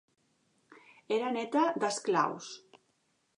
Era neta d'esclaus.